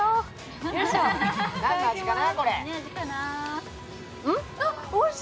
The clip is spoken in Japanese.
何の味かな？